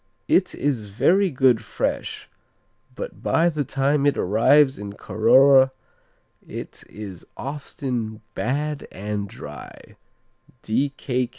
"It is very good fresh, but by the time it arrives in Carora it is often bad and dry."